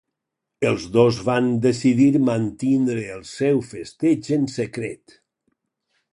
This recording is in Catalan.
Els dos van decidir mantindre el seu festeig en secret.